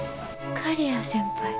刈谷先輩？